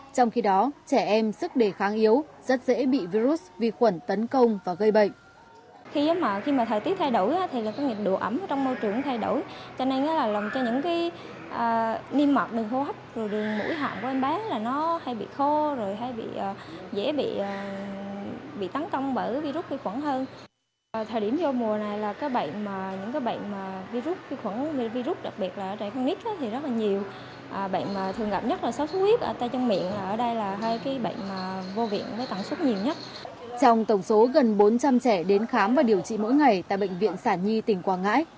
trong tổng số gần bốn trăm linh trẻ đến khám và điều trị mỗi ngày tại bệnh viện sản nhi tỉnh quảng ngãi